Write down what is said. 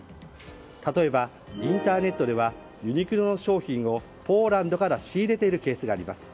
例えば、インターネットではユニクロの商品をポーランドから仕入れているケースがあります。